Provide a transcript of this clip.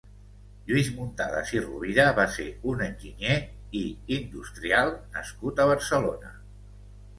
Lluís Muntadas i Rovira va ser un enginyer i industrial nascut a Barcelona.